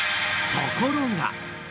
ところが。